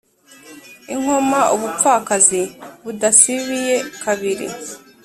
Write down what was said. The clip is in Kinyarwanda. i nkoma ubupfakazi buhasibiye kabiri.